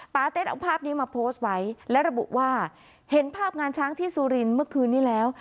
เต้นเอาภาพนี้มาโพสต์ไว้และระบุว่าเห็นภาพงานช้างที่สุรินทร์เมื่อคืนนี้แล้ว